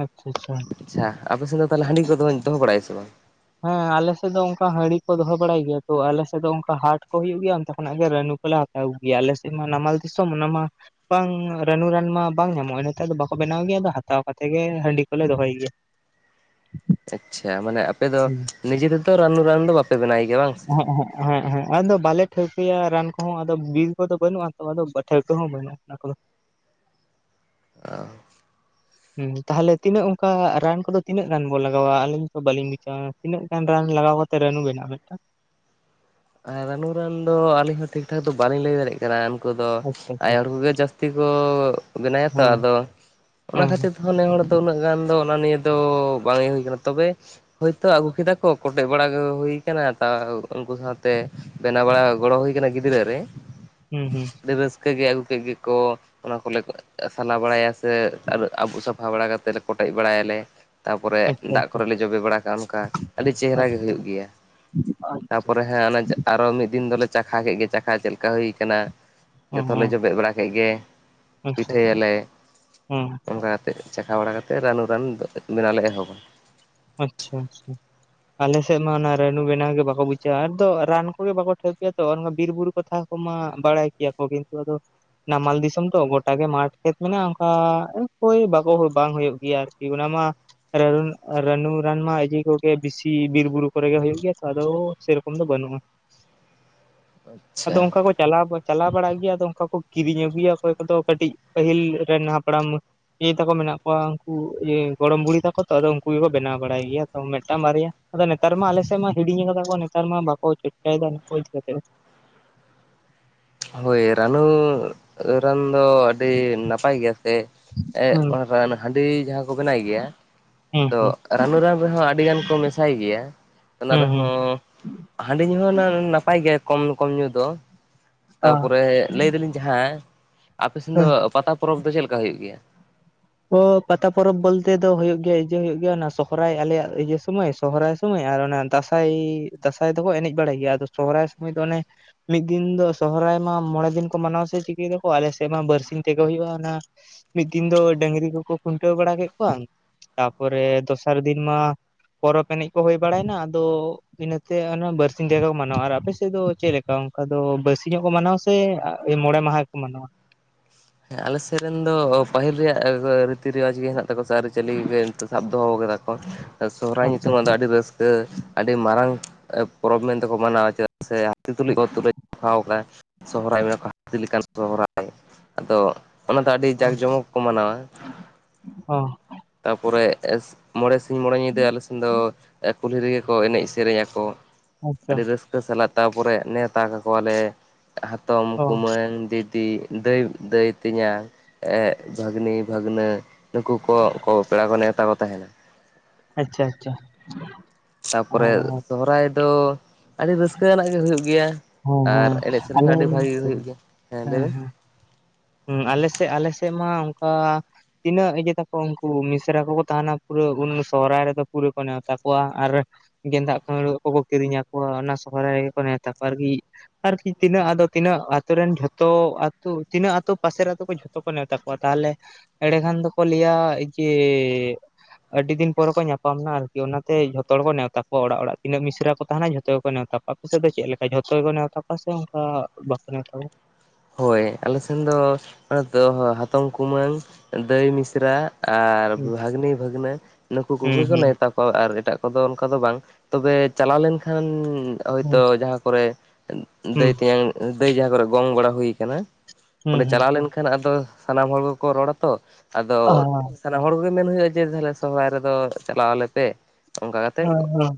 ᱟᱪᱪᱷᱟ ᱪᱷᱟ᱾ ᱟᱪᱪᱷᱟ ᱟᱯᱮᱥᱮᱫ ᱫᱚ ᱛᱟᱦᱚᱞᱮ ᱦᱟᱺᱰᱤ ᱠᱚᱫᱚ ᱫᱚᱦᱚ ᱵᱟᱲᱟᱭᱟ ᱥᱮ ᱵᱟᱝ? ᱦᱮᱸ ᱟᱞᱮᱥᱮᱫ ᱫᱚ ᱚᱱᱠᱟ ᱦᱟᱺᱰᱤ ᱠᱚ ᱫᱚᱦᱚ ᱵᱟᱲᱟᱭ ᱜᱮᱭᱟ ᱛᱚ ᱟᱞᱮᱥᱮᱫ ᱫᱚ ᱚᱱᱠᱟ ᱦᱟᱴ ᱠᱚ ᱦᱩᱭᱩᱜ ᱜᱮᱭᱟ ᱚᱱᱛᱮ ᱠᱷᱚᱱᱟᱜ ᱜᱮ ᱨᱟᱹᱱᱩ ᱠᱚᱞᱮ ᱦᱟᱛᱼᱼ [unintelligible] ᱜᱮᱭᱟ ᱟᱞᱮ ᱥᱮᱫ ᱢᱟ ᱱᱟᱢᱟᱞ ᱫᱥᱢ ᱚᱱᱟ ᱢᱟ ᱵᱟᱝ ᱨᱟᱹᱱᱩ ᱨᱟᱱ ᱢᱟ ᱵᱟᱝ ᱧᱟᱢᱚᱜᱼᱟ᱾ ᱱᱮᱛᱟᱨ ᱫᱚ ᱵᱟᱠᱚ ᱵᱮᱱᱟᱣ ᱜᱮᱭᱟ ᱟᱫᱚ ᱦᱟᱛᱟᱣ ᱠᱟᱛᱮ ᱜᱮ ᱦᱟᱺᱰᱤ ᱠᱚᱞᱮ ᱫᱚᱦᱚᱭ ᱜᱮᱭᱟ᱾ ᱟᱪᱪᱷᱟ ᱢᱟᱱᱮ ᱟᱯᱮ ᱫᱚ ᱦᱩᱸ ᱱᱤᱡᱮ ᱛᱮᱫᱚ ᱨᱟᱹᱱᱩ ᱨᱟᱱ ᱫᱚ ᱵᱟᱯᱮ ᱵᱮᱱᱟᱭ ᱜᱮᱭᱟ ᱵᱟᱝ ᱥᱮ ᱮᱻᱦᱮᱜ, ᱮᱻᱦᱮᱜ ᱟᱫᱚ ᱵᱟᱞᱮ ᱴᱷᱟᱹᱣᱠᱟᱹᱭᱟ ᱨᱟᱱ ᱠᱚᱦᱚᱸ, ᱟᱫᱚ ᱵᱤᱨ ᱠᱚᱫᱚ ᱵᱟᱹᱱᱩᱜᱼᱟ ᱛᱚ ᱟᱫᱚ ᱴᱷᱟᱹᱣᱠᱟᱹ ᱦᱚᱸ ᱵᱟᱹᱱᱩᱜᱼᱟ᱾ [unintelligible] [unintelligible] ᱦᱮᱸ ᱛᱟᱦᱚᱞᱮ ᱛᱤᱱᱟᱹᱜ ᱚᱱᱠᱟ ᱨᱟᱱ ᱠᱚᱫᱚ ᱛᱤᱱᱟᱹᱜ ᱜᱟᱱ ᱵᱚ ᱞᱟᱜᱟᱣᱟ, ᱟᱹᱞᱤᱧ ᱛᱚ ᱵᱟᱟᱹᱞᱤᱧ ᱵᱩᱡᱟ ᱛᱤᱱᱟᱹᱜ ᱜᱟᱱ ᱨᱟᱱ ᱞᱟᱜᱟᱣ ᱠᱟᱛᱮ ᱨᱟᱹᱱᱩ ᱵᱮᱱᱟᱜ ᱢᱤᱫᱴᱟᱝ? ᱨᱟᱹᱱᱩ ᱨᱟᱱ ᱫᱚ ᱟᱹᱞᱤᱧ ᱦᱚᱸ ᱴᱷᱤᱠ ᱴᱷᱟᱠ ᱫᱚ ᱵᱟᱞᱤᱧ ᱞᱟᱹᱭ ᱫᱟᱲᱮᱭᱟᱜ ᱨᱟᱱ ᱠᱚᱫᱚ ᱟᱪᱪᱷᱟ ᱟᱭᱳ ᱦᱚᱲ ᱟᱪᱪᱷᱟ ᱠᱚᱜᱮ ᱡᱟᱹᱥᱛᱤ ᱠᱚ ᱵᱮᱱᱟᱭᱟᱛᱚ ᱦᱮᱸ ᱟᱫᱚ ᱚᱱᱟ ᱦᱮᱸ ᱠᱷᱟᱹᱛᱤᱨ ᱢᱚᱱᱮ ᱦᱚᱲ ᱫᱚ ᱩᱱᱟᱹᱜ ᱜᱟᱱ ᱫᱚ ᱚᱱᱟ ᱱᱤᱭᱟᱹ ᱫᱚ ᱵᱟᱝ ᱮᱭᱳ ᱦᱩᱭ ᱠᱟᱱᱟ, ᱛᱚᱵᱮ ᱦᱳᱭᱛᱳ ᱟᱹᱜᱩ ᱠᱮᱫᱟ ᱠᱚ ᱠᱚᱴᱮᱡᱽ ᱵᱟᱲᱟ ᱦᱩᱭ ᱟᱠᱟᱱᱟ ᱛᱟᱣ ᱩᱱᱠᱩ ᱥᱟᱶᱛᱮ ᱛᱮ ᱵᱮᱱᱟᱣ ᱵᱟᱲᱟ ᱜᱚᱲᱚ ᱦᱩᱭ ᱟᱠᱟᱱᱟ ᱜᱤᱫᱽᱨᱟᱹ ᱨᱮ ᱦᱩᱸ ᱦᱩᱸ ᱟᱹᱰᱤ ᱨᱟᱹᱥᱠᱟᱹ ᱠᱟᱹᱡ ᱜᱮ ᱟᱹᱜᱩ ᱠᱮᱫ ᱜᱮᱠᱚ ᱚᱱᱟ ᱠᱚᱞᱮ ᱥᱟᱞᱟ ᱵᱟᱲᱟᱭᱟ ᱥᱮ ᱟᱵᱩᱜ ᱥᱟᱯᱷᱟ ᱵᱟᱲᱟ ᱠᱟᱛᱮᱫ ᱠᱚᱴᱮᱡ ᱵᱟᱲᱟᱭᱟᱞᱮ ᱛᱟᱯᱚᱨᱮ ᱟᱪᱪᱷᱟ ᱫᱟᱜ ᱟᱪᱪᱷᱟ ᱠᱚᱨᱮᱞᱮ ᱡᱚᱵᱮ ᱵᱟᱲᱟ ᱠᱟᱜᱼᱟ ᱚᱱᱠᱟ ᱟᱹᱰᱤ ᱪᱮᱦᱨᱟ ᱜᱮ ᱟᱪᱪᱷᱟ ᱦᱩᱭᱩᱜ ᱜᱮᱭᱟ᱾ᱛᱟᱯᱚᱨᱮ ᱦᱮᱸ ᱚᱱᱮ ᱟᱨᱚ ᱢᱤᱫ ᱫᱤᱱ ᱫᱚᱞᱮ ᱪᱟᱠᱷᱟ ᱠᱮᱫ ᱜᱮ ᱪᱟᱠᱷᱟ ᱪᱮᱫ ᱞᱮᱠᱟ ᱦᱩᱭ ᱠᱟᱱᱟ, ᱦᱚᱸ ᱡᱚᱛᱚᱞᱮ ᱦᱚᱸ ᱡᱚᱵᱮ ᱵᱟᱲᱟ ᱠᱮᱫ ᱜᱮ ᱟᱪᱪᱷᱟ ᱯᱤᱴᱷᱟᱹᱭ ᱟᱞᱮ ᱦᱮᱸ ᱚᱱᱠᱟ ᱪᱟᱠᱷᱟ ᱵᱟᱲᱟ ᱠᱟᱛᱮ ᱨᱟᱹᱱᱩ ᱨᱟᱱ ᱵᱮᱱᱟᱣ ᱞᱮ ᱮᱦᱚᱵᱟ ᱟᱪᱪᱷᱟ ᱟᱪᱪᱷᱟ ᱟᱞᱮᱥᱮᱫ ᱢᱟ ᱚᱱᱟ ᱨᱟᱹᱱᱩ ᱵᱮᱱᱟᱣ ᱜᱮ ᱵᱟᱠᱚ ᱵᱩᱡᱷᱟᱹ, ᱟᱫᱚ ᱨᱟᱱ ᱠᱚᱜᱮ ᱵᱟᱠᱚ ᱴᱷᱟᱹᱣᱠᱟᱹᱭᱟ ᱛᱚ ᱵᱤᱨᱵᱩᱨᱩ ᱠᱚᱛᱷᱟ [unintelligible] ᱵᱟᱲᱟᱭ ᱜᱮᱭᱟᱠᱚ ᱠᱤᱱᱛᱩ ᱟᱫᱚ ᱱᱟᱢᱟᱞ ᱫᱤᱥᱚᱢ ᱛᱚ ᱜᱳᱴᱟᱜᱮ ᱢᱟᱴᱷ ᱠᱷᱮᱛ ᱢᱮᱱᱟᱜᱼᱟ, ᱚᱱᱠᱟ ᱦᱳᱭ ᱵᱟᱠᱚ ᱵᱟᱝ ᱦᱳᱭᱳᱜ ᱜᱮᱭᱟ ᱟᱨᱠᱤ ᱚᱱᱟ ᱢᱟ [unintelligible] ᱟᱨ ᱨᱟᱹᱱᱩ ᱨᱟᱱ ᱢᱟ ᱤᱡᱤ ᱠᱚᱜᱮ ᱵᱮᱥᱤ ᱵᱤᱨ ᱵᱩᱨᱩ ᱠᱚᱨᱮ ᱜᱮ ᱦᱩᱭᱩᱜ ᱜᱮᱭᱟ ᱛᱚ ᱟᱫᱚ ᱥᱮᱨᱚᱠᱚᱢ ᱫᱚ ᱵᱟᱹᱱᱩᱜᱼᱟ᱾ ᱟᱫᱚ ᱟᱪᱪᱷᱟ ᱚᱱᱠᱟ ᱠᱚ ᱪᱟᱞᱟᱣ ᱫᱚ ᱪᱟᱞᱟᱣ ᱵᱟᱲᱟᱜ ᱜᱮᱭᱟ ᱟᱫᱚ ᱚᱱᱠᱟ ᱠᱚ ᱠᱤᱨᱤᱧ ᱟᱹᱜᱩᱭᱟ ᱚᱠᱚᱭ ᱠᱚᱫᱚ ᱠᱟᱹᱴᱤᱡ ᱯᱟᱹᱦᱤᱞ ᱨᱮᱱ ᱦᱟᱯᱲᱟᱢ ᱤᱭᱟᱹ ᱛᱟᱠᱚ ᱢᱮᱱᱟᱜ ᱠᱚᱣᱟ ᱩᱱᱠᱩ ᱤᱭᱟᱹ ᱜᱚᱲᱚᱢ ᱵᱩᱲᱦᱤ ᱛᱟᱠᱚ ᱛᱚ ᱟᱫᱚ ᱩᱱᱠᱩ ᱵᱮᱱᱟᱣ ᱵᱟᱲᱟᱭ ᱜᱮᱭᱟ ᱠᱚ ᱢᱤᱫᱴᱟᱝ ᱵᱟᱨᱭᱟ ᱟᱫᱚ ᱱᱮᱛᱟᱨ ᱢᱟ ᱟᱞᱮᱥᱮᱫ ᱢᱟ ᱦᱤᱲᱤᱧ ᱠᱟᱫᱟ ᱠᱚ ᱱᱮᱛᱟᱨ ᱢᱟ ᱵᱟᱠᱚ ᱚᱠᱚᱭ ᱪᱟᱭᱫᱟ ᱱᱤᱠᱷᱳᱪ ᱠᱟᱛᱮᱛ ᱫᱚ᱾ ᱦᱳᱭ ᱨᱟᱹᱱᱩ ᱨᱟᱱ ᱫᱚ ᱟᱹᱰᱤ ᱱᱟᱯᱟᱭ ᱜᱮᱭᱟ ᱥᱮ ᱮᱜ ᱦᱩᱸ ᱚᱱᱟ ᱨᱟᱱ ᱦᱟᱺᱰᱤ ᱡᱟᱦᱟᱸ ᱠᱚ ᱵᱮᱱᱟᱭ ᱜᱮᱭᱟ ᱦᱩᱸ ᱛᱚ ᱦᱩᱸ ᱨᱟᱹᱱᱩ ᱨᱟᱱ ᱨᱮᱦᱚᱸ ᱟᱹᱰᱤ ᱜᱟᱱ ᱠᱚ ᱢᱮᱥᱟᱭ ᱜᱮᱭᱟ ᱚᱱᱟ ᱦᱩᱸ ᱦᱩᱸ ᱨᱮᱦᱚᱸ ᱦᱟᱺᱰᱤ ᱧᱩ ᱦᱚᱸ ᱱᱟᱯᱟᱭ ᱜᱮᱭᱟ ᱠᱚᱢ ᱠᱚᱢ ᱧᱩ ᱫᱚ᱾ ᱟ ᱛᱟᱯᱚᱨᱮ ᱞᱟᱹᱭ ᱫᱟᱹᱞᱤᱧ ᱡᱟᱦᱟᱸ ᱟᱯᱮ ᱥᱮᱱ ᱫᱚ ᱯᱟᱛᱟ ᱯᱚᱨᱚᱵᱽ ᱫᱚ ᱪᱮᱫ ᱞᱮᱠᱟ ᱦᱩᱭᱩᱜ ᱜᱮᱭᱟ? ᱚᱻ ᱯᱟᱛᱟ ᱯᱚᱨᱚᱵᱽ ᱵᱚᱞᱛᱮ ᱫᱚ ᱦᱩᱭᱩᱜ ᱜᱮᱭᱟ ᱤᱡᱟᱹ ᱦᱩᱭᱩᱜᱮᱭᱟ ᱟᱱᱟ ᱥᱚᱦᱚᱨᱟᱭ ᱟᱞᱮᱭᱟᱜ ᱤᱭᱟᱹ ᱥᱳᱢᱚᱭ ᱥᱚᱦᱚᱨᱟᱭ ᱥᱚᱢᱚᱭ ᱟᱨ ᱚᱱᱟ ᱫᱟᱸᱥᱟᱭ ᱫᱟᱸᱥᱟᱭ ᱫᱚᱠᱚ ᱮᱱᱮᱡ ᱵᱟᱲᱟᱭ ᱜᱮᱭᱟ ᱟᱫᱚ ᱥᱚᱦᱚᱨᱟᱭ ᱥᱚᱢᱚᱭ ᱫᱚ ᱚᱱᱮ ᱢᱤᱫ ᱫᱤᱱ ᱫᱚ ᱥᱚᱦᱚᱨᱟᱭ ᱢᱟ ᱢᱚᱬᱮ ᱫᱤᱱ ᱠᱚ ᱢᱟᱱᱟᱣᱟ ᱥᱮ ᱪᱤᱠᱟᱹᱭ ᱫᱚᱠᱚ ᱟᱞᱮ ᱥᱮᱫ ᱢᱟ ᱵᱟᱨᱥᱤᱧ ᱛᱮᱜᱮ ᱦᱩᱭᱩᱜᱼᱟ ᱚᱱᱟ ᱢᱤᱫ ᱫᱤᱱ ᱫᱚ ᱰᱟᱹᱝᱨᱤ ᱠᱚᱠᱚ ᱠᱷᱩᱱᱴᱟᱹᱣ ᱵᱟᱲᱟ ᱠᱮ ᱠᱚᱣᱟ, ᱛᱟᱯᱚᱨᱮ ᱫᱚᱥᱟᱨ ᱫᱤᱱ ᱢᱟ ᱯᱚᱨᱚᱵᱽ ᱮᱱᱮᱡ ᱠᱚ ᱦᱳᱭ ᱵᱟᱲᱟᱭᱱᱟ ᱟᱫᱚ ᱤᱱᱟᱹᱛᱮ ᱚᱱᱟ ᱵᱟᱨᱥᱤᱧ ᱡᱟᱭᱜᱟ ᱠᱚ ᱢᱟᱱᱟᱣᱟ ᱟᱨ ᱟᱯᱮᱥᱮᱫ ᱫᱚ ᱪᱮᱫᱮᱠᱟ ᱚᱱᱠᱟ ᱫᱚ ᱵᱟᱨᱥᱤᱧ ᱧᱚᱜ ᱠᱚ ᱢᱟᱱᱟᱣᱟ ᱥᱮ? ᱥᱮ ᱢᱚᱬᱮ ᱢᱟᱦᱟ ᱠᱚ ᱢᱟᱱᱟᱣᱟ᱾ ᱦᱮᱸ ᱟᱞᱮ ᱥᱮᱫ ᱨᱮᱱ ᱫᱚ ᱯᱟᱹᱦᱤᱞ ᱨᱮᱭᱟᱜ ᱨᱤᱛᱤ ᱨᱮᱣᱟᱡᱽ ᱜᱮ ᱦᱮᱸᱱᱟᱜ ᱛᱟᱠᱚᱣᱟ ᱥᱮ ᱟᱹᱨᱤᱪᱟᱹᱞᱤ ᱜᱮ ᱥᱟᱵ ᱫᱚᱦᱚ ᱠᱟᱫᱟ᱾ ᱥᱚᱦᱨᱟᱭ ᱟᱪᱪᱷᱟ ᱧᱩᱛᱩᱢᱟᱜ ᱫᱚ ᱟᱹᱰᱤ ᱨᱟᱹᱥᱠᱟᱹ ᱟᱹᱰᱤ ᱢᱟᱨᱟᱝ ᱯᱚᱨᱚᱵᱽ ᱢᱮᱱᱛᱮᱠᱚ ᱢᱟᱱᱟᱣᱟ ᱪᱮᱫ ᱥᱮ ᱦᱟᱹᱛᱤ ᱛᱩᱞᱩᱡ ᱠᱚ ᱛᱩᱞᱟᱹ ᱡᱚᱠᱷᱟ ᱠᱟᱜᱼᱟ ᱥᱚᱨᱦᱟᱭ ᱠᱚ ᱦᱟᱹᱛᱤ ᱞᱮᱠᱟᱱ ᱥᱚᱦᱨᱟᱭ᱾ ᱟᱫᱚ ᱚᱱᱟ ᱫᱚ ᱟᱹᱰᱤ ᱡᱟᱠ ᱡᱚᱢᱚᱠ ᱠᱚ ᱢᱟᱱᱟᱣᱟ ᱚ᱾ ᱛᱟᱯᱚᱨᱮ ᱢᱚᱬᱮ ᱥᱤᱧ ᱢᱚᱬᱮ ᱧᱤᱫᱟᱹ ᱟᱞᱮ ᱥᱮᱱ ᱫᱚ ᱠᱩᱞᱦᱤ ᱨᱮᱜᱮ ᱠᱚ ᱮᱱᱮᱡ ᱥᱮᱨᱮᱧ ᱟᱠᱚ᱾ ᱟᱪᱪᱷᱟ ᱟᱹᱰᱤ ᱨᱟᱹᱥᱠᱟᱹ ᱥᱟᱞᱟᱜ ᱛᱟᱯᱚᱨᱮ ᱱᱮᱣᱛᱟ ᱠᱟᱠᱚᱣᱟᱞᱮ, ᱦᱟᱛᱚᱢ ᱚ ᱠᱩᱢᱟᱹᱝ ᱫᱤᱫᱤ ᱫᱟᱹᱭ, ᱫᱟᱹᱭ ᱛᱮᱧᱟᱝ ᱵᱷᱟᱹᱜᱽᱱᱤ ᱵᱷᱟᱹᱜᱽᱱᱟᱹ ᱱᱩᱠᱩ ᱠᱚ ᱠᱚ ᱯᱮᱲᱟ ᱠᱚ ᱱᱮᱶᱛᱟ ᱠᱚ ᱛᱟᱦᱮᱱᱟ᱾ ᱟᱪᱪᱷᱟ ᱟᱪᱪᱷᱟ ᱟᱨ ᱛᱟᱯᱚᱨᱮ ᱥᱚᱦᱨᱟᱭ ᱫᱚ ᱟᱹᱰᱤ ᱨᱟᱹᱥᱠᱟᱹ ᱟᱱᱟᱜ ᱜᱮ ᱦᱩᱭᱩᱜ ᱜᱮᱭᱟ, ᱦᱮᱸ ᱟᱨ ᱦᱮᱸ ᱮᱱᱮᱡ ᱥᱮᱨᱮᱧ ᱟᱞᱮ ᱦᱚᱸ ᱟᱹᱰᱤ ᱦᱮᱸ ᱵᱷᱟᱜᱤ ᱜᱮ ᱦᱩᱭᱩᱜ ᱜᱮᱭᱟ ᱦᱮᱸ ᱞᱟᱹᱭ ᱢᱮ, ᱦᱸ ᱟᱞᱮᱥᱮᱜ ᱟᱞᱮᱥᱮᱜ ᱢᱟ ᱚᱱᱠᱟ ᱛᱤᱱᱟᱹᱜ ᱤᱭᱟᱹ ᱛᱟᱠᱚ ᱩᱱᱠᱩ ᱢᱤᱥᱨᱟ ᱠᱚᱠᱚ ᱛᱟᱦᱮᱱᱟ ᱯᱩᱨᱟᱹ ᱩᱱ ᱥᱚᱦᱨᱟᱭ ᱨᱮᱫᱚ ᱯᱩᱨᱟᱹ ᱠᱚ ᱱᱮᱣᱛᱟ ᱠᱚᱣᱟ, ᱟᱨ ᱜᱮᱸᱫᱟᱜ ᱠᱷᱟᱹᱨᱟᱹᱜ ᱠᱚᱠᱚ ᱠᱤᱨᱤᱧ ᱟᱠᱚᱣᱟ ᱚᱱᱟ ᱥᱚᱦᱨᱟᱭ ᱨᱮᱜᱮ ᱠᱚ ᱱᱮᱣᱛᱟ ᱠᱚᱣᱟ ᱟᱨᱠᱤ᱾ ᱟᱨᱠᱤ ᱛᱤᱱᱟᱹᱜ ᱟᱫᱚ ᱛᱤᱱᱟᱹᱜ ᱟᱛᱳ ᱨᱮᱱ ᱡᱷᱚᱛᱚ ᱟᱛᱩ ᱛᱤᱱᱟᱹᱜ ᱟᱛᱳ ᱯᱟᱥᱮᱨ ᱟᱛᱳ ᱠᱚ ᱡᱷᱚᱛᱚ ᱠᱚ ᱱᱮᱶᱛᱟ ᱠᱚᱣᱟ ᱛᱟᱦᱚᱞᱮ ᱮᱸᱰᱮ ᱠᱷᱟᱱ ᱫᱚ ᱠᱚ ᱞᱟᱹᱭᱟ ᱡᱮ ᱟᱹᱰᱤ ᱫᱤᱱ ᱯᱚᱨᱮ ᱠᱚ ᱧᱟᱯᱟᱢᱱᱟ ᱟᱨᱠᱤ ᱚᱱᱟᱛᱮ ᱡᱷᱚᱛᱚ ᱦᱚᱲ ᱠᱚ ᱱᱮᱣᱛᱟ ᱠᱚᱣᱟ ᱚᱲᱟᱜ ᱚᱲᱟᱜ ᱛᱤᱱᱟᱹ ᱢᱤᱥᱨᱟ ᱠᱚ ᱛᱟᱦᱮᱱᱟ ᱡᱷᱚᱛᱚ ᱜᱮᱠᱚ ᱱᱮᱣᱛᱟ ᱠᱚᱣᱟ ᱟᱯᱮ ᱥᱮᱫ ᱫᱚ ᱪᱮᱫ ᱞᱮᱠᱟ ᱡᱷᱚᱛᱚ ᱜᱮ ᱠᱚ ᱱᱮᱣᱛᱟ ᱠᱚᱣᱟ ᱥᱮ ᱚᱱᱠᱟ ᱵᱟᱠᱚ ᱱᱮᱣᱛᱟ ᱠᱚᱣᱟ? ᱦᱳᱭ ᱟᱞᱮᱥᱱ ᱫᱚ ᱦᱟᱛᱚᱢ ᱠᱩᱢᱟᱹᱝ ᱫᱟᱹᱭ ᱢᱤᱥᱨᱟ ᱟᱨ ᱦᱩᱸ ᱵᱷᱟᱹᱜᱽᱱᱤ ᱵᱷᱟᱜᱽᱱᱹᱟ ᱱᱩᱠᱩ ᱦᱩᱸ ᱠᱚᱜᱮ ᱦᱩᱸ ᱱᱮᱣᱛᱟ ᱟᱨ ᱮᱴᱟᱜ ᱠᱚᱫᱚ ᱚᱱᱠᱟ ᱫᱚ ᱵᱟᱝ ᱛᱚᱵᱮ ᱪᱟᱞᱟᱣ ᱞᱮᱱᱠᱷᱟᱱ ᱦᱩᱸ ᱦᱚᱭᱛᱳ ᱡᱟᱦᱟᱸ ᱠᱚᱨᱮ ᱦᱩᱸ ᱫᱟᱹᱭ ᱛᱮᱧᱟᱝ ᱫᱟᱹᱭ ᱡᱟᱦᱟᱸ ᱠᱚᱨᱮ ᱜᱚᱝ ᱜᱚᱲᱟ ᱦᱩᱭ ᱠᱟᱱᱟ ᱦᱩᱸ ᱚᱸᱰᱮ ᱦᱩᱸ ᱪᱟᱞᱟᱣ ᱞᱮᱱᱠᱷᱟᱱ ᱮᱱᱠᱷᱟᱱ ᱟᱫᱚ ᱥᱟᱱᱟᱢ ᱦᱚᱲ ᱜᱮᱠᱚ ᱨᱚᱲᱟ ᱛᱚ ᱟᱫᱚ ᱟ ᱛᱟᱦᱚᱞᱮ ᱦᱚᱲ ᱠᱚᱜᱮ ᱢᱮᱱ ᱦᱳᱭᱳᱜᱼᱟ ᱡᱮ ᱛᱟᱦᱞᱮ ᱥᱚᱦᱨᱟᱭ ᱨᱮᱫᱚ ᱪᱟᱞᱟᱣ ᱟᱞᱮ ᱯᱮ ᱚᱱᱠᱟ ᱠᱟᱛᱮᱫ ᱦᱮᱸ ᱦᱮᱸ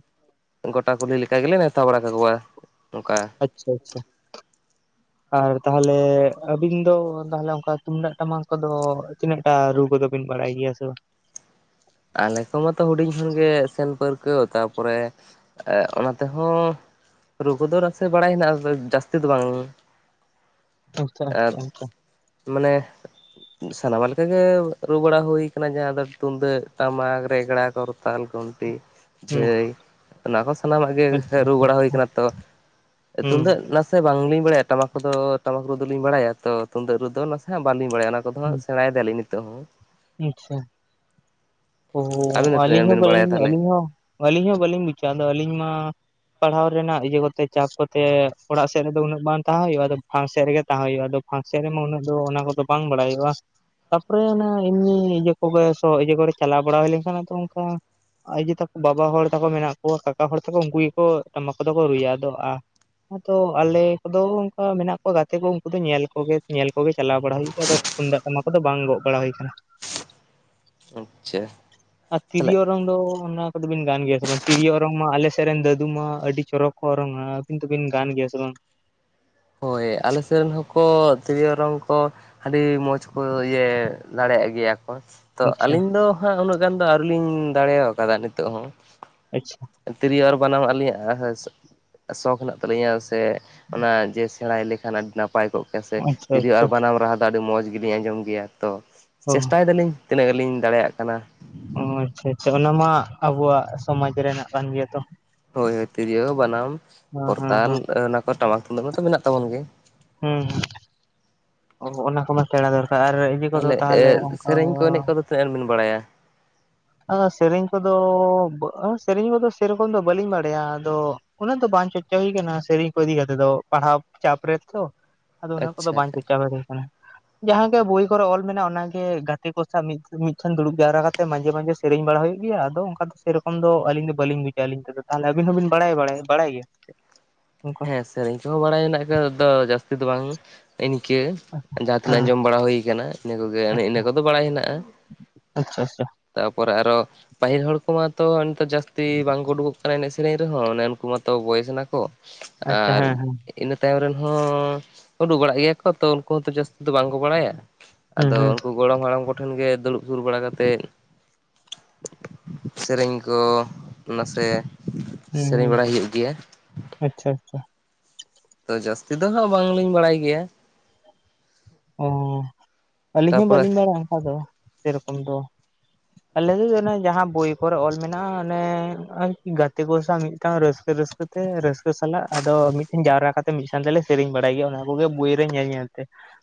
ᱜᱚᱴᱟ ᱠᱩᱞᱦᱤ ᱞᱮᱠᱟ ᱜᱮᱞᱮ ᱱᱮᱣᱛᱟ ᱵᱟᱲᱟ ᱠᱟᱠᱚᱣᱟ ᱚᱱᱠᱟ ᱟᱪᱪᱷᱟ ᱟᱪᱪᱷᱟ᱾ ᱟᱨ ᱛᱟᱦᱞᱮ ᱟᱹᱵᱤᱱ ᱫᱚ ᱛᱟᱦᱞᱮ ᱚᱱᱠᱟ ᱛᱩᱢᱫᱟᱹᱜ ᱴᱟᱢᱟᱠ ᱠᱚᱫᱚ ᱛᱤᱱᱟᱹᱴᱟ ᱨᱩ ᱠᱚᱫᱚ ᱵᱤᱱ ᱵᱟᱲᱟᱭ ᱜᱮᱭᱟ ᱥᱮ ᱵᱟᱝ ᱟᱞᱮ ᱠᱚᱢᱟ ᱛᱚ ᱦᱩᱰᱤᱧ ᱠᱷᱚᱱ ᱜᱮ ᱥᱮᱱ ᱯᱟᱹᱨᱠᱟᱹᱣ, ᱛᱟᱨᱯᱚᱨᱮ ᱚᱱᱟ ᱛᱮᱦᱚᱸ ᱨᱩ ᱠᱚᱫᱚ ᱱᱟᱥᱮ ᱵᱟᱲᱟᱭ ᱦᱮᱱᱟᱜ ᱡᱟᱹᱥᱛᱤ ᱫᱚ ᱵᱟᱝ᱾ ᱟᱪᱪᱷᱟ ᱟᱪᱪᱷᱟ ᱟᱪᱪᱷᱟ᱾ ᱢᱟᱱᱮ ᱥᱟᱱᱟᱢᱟᱜ ᱞᱮᱠᱟᱜᱮ ᱨᱩ ᱵᱟᱲᱟ ᱦᱩᱭ ᱠᱟᱱᱟ ᱡᱟᱦᱟᱸ ᱫᱚ ᱛᱩᱱᱫᱟᱹᱜ ᱴᱟᱢᱟᱠ, ᱨᱮᱜᱲᱟ, ᱠᱚᱨᱛᱟᱞ, ᱜᱩᱱᱴᱤ ᱦᱩᱸ ᱡᱷᱟᱹᱭ ᱚᱱᱟ ᱠᱚ ᱥᱟᱱᱟᱢᱟᱜ ᱜᱮ ᱟᱪᱪᱷᱟ ᱨᱩ ᱟᱪᱪᱷᱟ ᱵᱟᱲᱟ ᱦᱩᱭ ᱠᱟᱱᱟ ᱛᱚ, ᱦᱩᱸ ᱛᱩᱢᱫᱟᱹᱜ ᱱᱟᱥᱮ ᱥᱮ ᱵᱟᱝᱞᱤᱧ ᱵᱟᱲᱟᱭᱟ ᱴᱟᱢᱟᱠ ᱠᱚᱫᱚ ᱴᱟᱢᱟᱠ ᱨᱩ ᱫᱚ ᱞᱤᱧ ᱵᱟᱲᱟᱭᱟ ᱛᱚ ᱛᱩᱱᱫᱟᱹᱜ ᱨᱩ ᱫᱚ ᱱᱟᱥᱮ ᱦᱮᱸ ᱵᱟᱞᱤᱧ ᱵᱟᱲᱟᱭ ᱚᱱᱟ ᱠᱚ ᱦᱟᱸᱜ ᱦᱩᱸ ᱥᱮᱬᱟᱭ ᱫᱟᱞᱤᱧ ᱱᱤᱛᱚᱜ ᱦᱚᱸ᱾ ᱟᱪᱪᱷᱟ᱾ ᱟᱹᱵᱤᱱ ᱳᱻ ᱫᱚ ᱛᱤᱱᱟᱹᱜ ᱟᱹᱞᱤᱧ ᱜᱟᱱ ᱦᱚᱸ ᱵᱤᱱ ᱵᱟᱲᱟᱭᱟ ᱵᱟᱹᱞᱤᱧ ᱛᱟᱦᱚᱞᱮ ᱟᱹᱞᱤᱧ ᱦᱚᱸ ᱟᱹᱞᱤᱧ ᱦᱚᱸ ᱵᱟᱹᱞᱤᱧ ᱵᱩᱪᱟ ᱟᱫᱚ ᱟᱹᱞᱤᱧ ᱢᱟ ᱯᱟᱲᱦᱟᱣ ᱨᱮᱱᱟᱜ ᱤᱭᱟᱹ ᱠᱚᱛᱮ ᱪᱟᱯ ᱠᱚᱛᱮ ᱚᱲᱟᱜ ᱥᱮᱫ ᱨᱮᱫᱚ ᱩᱱᱟᱹᱜ ᱵᱟᱝ ᱛᱟᱦᱮᱸ ᱦᱳᱭᱳᱜᱼᱟ, ᱟᱫᱚ ᱯᱷᱟᱸᱠ ᱥᱮᱫ ᱨᱮᱜᱮ ᱛᱟᱦᱮᱸ ᱦᱳᱭᱳᱜᱼᱟ, ᱟᱫᱚ ᱯᱷᱟᱥᱮ ᱨᱮᱢᱟ ᱩᱱᱟᱹᱜ ᱫᱚ ᱚᱱᱟ ᱠᱚᱫᱚ ᱵᱟᱝ ᱵᱟᱲᱟᱭᱚᱜᱼᱟ ᱛᱟᱯᱚᱨᱮ ᱚᱱᱟ ᱮᱢᱱᱤ ᱤᱭᱟᱹ ᱠᱚᱜᱮ ᱤᱭᱟᱹ ᱠᱚᱨᱮ ᱪᱟᱞᱟᱣ ᱵᱟᱲᱟ ᱦᱩᱭ ᱞᱮᱱᱠᱷᱟᱱ ᱟᱫᱚ ᱚᱱᱠᱟ ᱟᱡ ᱟᱭᱳ ᱛᱟᱠᱚ ᱵᱟᱵᱟ ᱦᱚᱲ ᱛᱟᱠᱚ ᱢᱮᱱᱟᱜ ᱠᱚᱣᱟ ᱠᱟᱠᱟ ᱦᱚᱲ ᱛᱟᱠᱚ ᱩᱱᱠᱩ ᱜᱮᱠᱚ ᱴᱟᱢᱟᱠ ᱠᱚᱫᱚ ᱠᱚ ᱨᱩᱭᱟ ᱟᱫᱚ ᱟ ᱟᱫᱚ ᱟᱞᱮ ᱠᱚᱫᱚ ᱚᱱᱠᱟ ᱢᱮᱱᱟᱜ ᱠᱚᱣᱟ ᱜᱟᱛᱮ ᱠᱚ ᱩᱱᱠᱩ ᱫᱚ ᱧᱮᱞ ᱠᱚᱜᱮ ᱧᱮᱞ ᱠᱚᱜᱮ ᱪᱟᱞᱟᱣ ᱵᱟᱲᱟ ᱦᱩᱭᱩᱜ ᱜᱮᱭᱟ ᱟᱫᱚ ᱛᱩᱢᱫᱟᱜ ᱴᱟᱢᱟᱠ ᱠᱚᱫᱚ ᱵᱟᱝ ᱜᱚᱜ ᱵᱟᱲᱟ ᱦᱩᱭ ᱟᱠᱟᱱᱟ᱾ ᱪᱷᱟᱻ ᱟᱨ ᱛᱤᱨᱤᱭᱚ ᱚᱨᱚᱝ ᱫᱚ ᱚᱱᱟ ᱠᱚᱫᱚᱵᱤᱱ ᱜᱟᱱ ᱜᱮᱭᱟ ᱥᱮ ᱵᱟᱝ ᱛᱤᱨᱭᱳ ᱚᱨᱚᱝ ᱢᱟ ᱟᱞᱮᱥᱮᱫ ᱨᱮᱱ ᱫᱟᱫᱩ ᱢᱟ ᱟᱹᱰᱤ ᱪᱚᱨᱚᱠ ᱠᱚ ᱚᱨᱚᱝ ᱟ ᱠᱤᱱᱛᱩ ᱵᱤᱱ ᱜᱟᱱ ᱜᱮᱭᱟ ᱥᱮ ᱵᱟᱝ? ᱦᱳᱭ ᱟᱞᱮᱥᱮᱱ ᱦᱚᱸᱠᱚ ᱛᱤᱨᱭᱳ ᱚᱨᱚᱝ ᱠᱚ ᱟᱹᱰᱤ ᱢᱚᱸᱡᱽ ᱠᱚ ᱡᱮ ᱫᱟᱲᱮᱭᱟᱜ ᱜᱮᱭᱟ ᱠᱚ ᱛᱚ ᱟᱪᱪᱷᱟ ᱟᱹᱞᱤᱧ ᱫᱚ ᱦᱟᱸᱜ, ᱩᱱᱟᱹᱜ ᱩᱱᱟᱹᱜ ᱜᱟᱱ ᱫᱚ ᱟᱹᱣᱨᱤ ᱞᱤᱧ ᱫᱟᱲᱮ ᱟᱠᱟᱫᱟ ᱱᱤᱛᱚᱜ ᱦᱚᱸ᱾ ᱟᱪᱪᱷᱟ᱾ ᱛᱤᱨᱭᱳ ᱟᱨ ᱵᱟᱱᱟᱢ ᱟᱹᱞᱤᱧᱟᱜ ᱥᱚᱠ ᱦᱮᱱᱟᱜ ᱛᱟᱹᱟᱞᱤᱧᱟ ᱥᱮ, ᱚᱱᱟ ᱡᱮ ᱛᱟᱦᱮᱸ ᱞᱮᱠᱷᱟᱱ ᱟᱹᱰᱤ ᱱᱟᱯᱟᱭ ᱠᱚᱜ ᱜᱮᱭᱟ ᱥᱮ, ᱟᱪᱪᱷᱟ ᱛᱤᱨᱭᱳ ᱟᱨ ᱟᱪᱪᱷᱟ ᱵᱟᱱᱟᱢ ᱨᱟᱦᱟ ᱫᱚ ᱟᱹᱰᱤ ᱢᱚᱸᱡᱽ ᱜᱮᱞᱤᱧ ᱟᱸᱡᱚᱢ ᱜᱮᱭᱟ ᱛᱚ᱾ ᱚ ᱪᱮᱥᱴᱟᱭ ᱫᱟᱞᱤᱧ ᱛᱤᱱᱟᱹᱜ ᱜᱟᱱ ᱞᱤᱧ ᱫᱟᱲᱮᱭᱟᱜ ᱠᱟᱱᱟ᱾ ᱚ ᱟᱪᱪᱷᱟ ᱟᱪᱪᱷᱟ ᱚᱱᱟ ᱢᱟ ᱟᱵᱚᱣᱟᱜ ᱥᱚᱢᱟᱡᱽ ᱨᱮᱱᱟᱜ ᱠᱟᱱ ᱜᱮᱭᱟ ᱛᱚ᱾ ᱦᱳᱭ ᱦᱳᱭ ᱛᱤᱨᱭᱳ ᱵᱟᱱᱟᱢ ᱦᱮᱸ ᱦᱮᱸ ᱠᱚᱨᱛᱟᱞ ᱦᱮᱸ ᱚᱱᱟ ᱠᱚ ᱴᱟᱢᱟᱠ ᱛᱩᱢᱫᱟᱜ ᱢᱟᱛᱚ ᱢᱮᱱᱟᱜ ᱛᱟᱵᱚᱱ ᱜᱮ ᱦᱩᱸ ᱚᱱᱟ ᱠᱚᱢᱟᱹ ᱥᱮᱬᱟ ᱫᱚᱨᱠᱟᱨ ᱟᱨ ᱤᱭᱟᱹ ᱠᱚᱫᱚ ᱛᱟᱦᱚᱞᱮ ᱮᱜ ᱚᱱᱠᱟ ᱥᱮᱨᱮᱧ ᱠᱚ ᱮᱱᱮᱡ ᱠᱚᱫᱚ ᱛᱤᱱᱟᱹᱜ ᱜᱟᱱ ᱵᱮᱱ ᱵᱟᱲᱟᱭᱟ? ᱟ ᱥᱮᱨᱮᱧ ᱠᱚᱫᱚ ᱟ ᱥᱮᱨᱮᱧ ᱠᱚᱫᱚ ᱥᱮᱨᱚᱠᱚᱢ ᱫᱚ ᱵᱟᱹᱞᱤᱧ ᱵᱟᱲᱟᱭᱟ ᱟᱫᱚ ᱩᱱᱟᱹᱜ ᱫᱚ ᱵᱟᱝ ᱪᱚᱨᱪᱟ ᱦᱩᱭ ᱟᱠᱟᱱᱟ ᱥᱮᱨᱮᱧ ᱠᱚ ᱤᱫᱤ ᱠᱟᱛᱮᱫ ᱫᱚ ᱯᱟᱲᱦᱟᱣ ᱪᱟᱯ ᱨᱮᱛᱚ᱾ ᱟᱫᱚ ᱚᱱᱟ ᱠᱚᱫᱚ ᱟᱪᱪᱷᱟ ᱵᱟᱝ ᱟᱪᱪᱷᱟ ᱪᱚᱨᱪᱟ ᱵᱟᱲᱟ ᱦᱩᱭ ᱠᱟᱱᱟ᱾ ᱡᱟᱦᱟᱸ ᱜᱮ ᱵᱳᱭ ᱠᱚᱨᱮ ᱚᱞ ᱢᱮᱱᱟᱜᱼᱟ ᱚᱱᱟᱜᱮ ᱜᱟᱛᱮ ᱠᱚ ᱥᱟᱶ ᱢᱤᱫᱴᱷᱮᱱ ᱫᱩᱲᱩᱵ ᱡᱟᱣᱨᱟ ᱠᱟᱛᱮ ᱢᱟᱡᱷᱮ ᱢᱟᱡᱷᱮ ᱥᱮᱨᱮᱧ ᱵᱟᱲᱟ ᱦᱩᱭᱩᱜ ᱜᱮᱭᱟ ᱟᱫᱚ ᱚᱱᱠᱟ ᱫᱚ ᱥᱮᱨᱚᱠᱚᱢ ᱫᱚ ᱟᱹᱞᱤᱧ ᱫᱚ ᱵᱟᱹᱞᱤᱧ ᱵᱩᱡᱟ ᱟᱹᱞᱤᱧ ᱛᱮᱫᱚ ᱛᱟᱦᱚᱞᱮ ᱟᱵᱤᱱ ᱦᱚᱸᱵᱤᱱ ᱵᱟᱲᱟᱭ ᱵᱟᱲᱟᱭ ᱵᱟᱲᱟᱭ ᱜᱮᱭᱟ ᱦ ᱦᱮᱸ ᱥᱮᱨᱮᱧ ᱠᱚᱦᱚᱸ ᱵᱟᱲᱟᱭ ᱦᱮᱱᱟᱜ ᱠᱟᱱᱟ ᱫᱚ ᱡᱟᱹᱥᱛᱤ ᱫᱚ ᱵᱟᱝ ᱤᱱᱠᱟᱹ ᱡᱟᱦᱟᱸ ᱛᱤᱱᱟᱹᱜ ᱦᱮᱸ ᱟᱸᱡᱚᱢ ᱵᱟᱲᱟ ᱦᱩᱭ ᱠᱟᱱᱟ ᱤᱱᱟᱹ ᱠᱚᱜᱮ ᱤᱱᱟᱹ ᱠᱚᱫᱚ ᱵᱟᱲᱟᱭ ᱦᱮᱱᱟᱜᱼᱟ ᱟᱪᱪᱷᱟ ᱟᱪᱪᱷᱟ ᱛᱟᱯᱚᱨᱮ ᱟᱨᱚ ᱯᱟᱦᱤᱞ ᱦᱚᱲ ᱠᱚᱢᱟᱛᱚ ᱤᱱᱠᱟᱹ ᱡᱟᱹᱥᱛᱤ ᱵᱟᱝᱠᱚ ᱩᱰᱩᱠᱚᱜ ᱠᱟᱱᱟ ᱮᱱᱮᱡ ᱥᱮᱨᱮᱧ ᱨᱮᱦᱚᱸ ᱚᱱᱮ ᱩᱱᱠᱩ ᱢᱟᱛᱚ ᱵᱚᱭᱮᱥ ᱱᱟᱠᱚ ᱮᱱᱟᱠᱚ ᱟᱪᱪᱷᱟ ᱟᱨ ᱦᱮᱸ ᱦᱮᱸ ᱤᱱᱟᱹ ᱛᱟᱭᱚᱢ ᱨᱮᱱ ᱦᱚᱸ ᱩᱰᱩᱠ ᱵᱟᱲᱟᱜ ᱜᱮᱭᱟ ᱠᱚ ᱛᱚ ᱠᱚ ᱛᱚ ᱡᱟᱹᱥᱛᱤ ᱫᱚ ᱵᱟᱝᱠᱚ ᱵᱟᱲᱟᱭᱟ ᱦᱩᱸ ᱟᱫᱚ ᱦᱩᱸ ᱩᱱᱠᱩ ᱜᱚᱲᱚᱢ ᱦᱟᱲᱟᱢ ᱠᱚᱴᱷᱮᱱ ᱜᱮ ᱫᱩᱲᱩᱵ ᱥᱩᱨ ᱵᱟᱲᱟ ᱠᱟᱛᱮᱫ ᱥᱮᱨᱮᱧ ᱠᱚ ᱱᱟᱥᱮ ᱥᱮᱨᱮᱧ ᱦᱩᱸ ᱵᱟᱲᱟᱭ ᱦᱩᱭᱩᱜ ᱜᱮᱭᱟ ᱟᱪᱪᱷᱟ ᱟᱪᱪᱷᱟ ᱛᱚ ᱡᱟᱹᱥᱛᱤ ᱫᱚ ᱦᱟᱸᱜ ᱵᱟᱝᱞᱤᱧ ᱵᱟᱲᱟᱭ ᱜᱮᱭᱟ ᱚ ᱟᱹᱞᱤᱧ ᱦᱚᱸ ᱛᱟᱯᱚᱨᱮ ᱵᱟᱹᱞᱤᱧ ᱵᱟᱲᱟᱭᱟ ᱚᱱᱠᱟ ᱫᱚ ᱥᱮᱨᱚᱠᱚᱢ ᱫᱚ ᱟᱞᱮ ᱫᱚ ᱚᱱᱮ ᱡᱟᱦᱟᱸ ᱵᱚᱭ ᱠᱚᱨᱮ ᱚᱞ ᱢᱮᱱᱟᱜᱼᱟ ᱚᱱᱮ ᱜᱟᱛᱮ ᱠᱚ ᱥᱟᱶ ᱢᱤᱫᱴᱟᱝ ᱨᱟᱹᱥᱠᱟᱹ ᱨᱟᱹᱥᱠᱟᱹ ᱨᱟᱹᱥᱠᱟᱹ ᱥᱟᱞᱟᱜ ᱟᱫᱚ ᱢᱤᱫ ᱴᱷᱮᱱ ᱡᱟᱣᱨᱟ ᱠᱟᱛᱮ ᱢᱤᱫ ᱥᱟᱶ ᱛᱮᱞᱮ ᱥᱮᱨᱮᱧ ᱵᱟᱲᱟᱭ ᱜᱮᱭᱟ ᱚᱱᱟ ᱠᱚᱜᱮ ᱵᱳᱭ ᱨᱮ ᱧᱮᱞ ᱧᱮᱞᱛᱮ